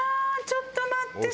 ちょっと待って。